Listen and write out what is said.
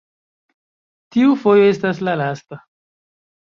tiu fojo estas la lasta!